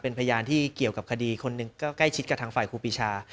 เป็นพยานที่เกี่ยวกับคดีคนหนึ่งก็ใกล้ชิดกับทางฝ่ายครูปีชา